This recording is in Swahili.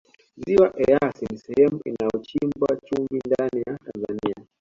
ziwa eyasi ni sehemu inayochimbwa chumvi ndani ya tanzania